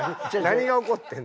何が起こってるん？